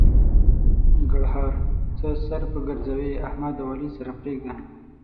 ګړهار: څه سر په ګرځوې؛ احمد او علي سره پرېږده.